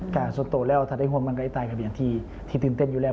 สุดโตแล้วถ้าได้ห่วงมันก็ได้ตายกันอย่างที่ตื่นเต้นอยู่แล้ว